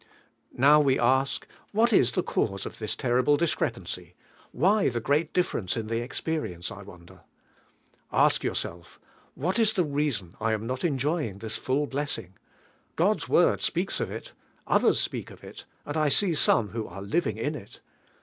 Now, we ask, What 'is the cause of this terrible discrepancy? Why the giTill difference in the experience, 1 won iler? Ask yourself, "Whal is the reason 1M Di I i.'.i: iiEALrrca, I am not enjoying this full blessing? God's Word speaks of it, others speak of it. ;ind I see some who ore living in it."